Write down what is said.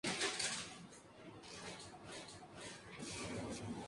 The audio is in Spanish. Mezclado por Steve Osborne en Real World Studios, Reino Unido.